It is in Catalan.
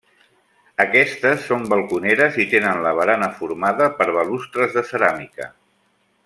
Aquestes són balconeres i tenen la barana formada per balustres de ceràmica.